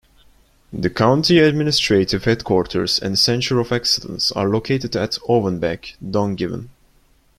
The county administrative headquarters and centre of excellence are located at Owenbeg, Dungiven.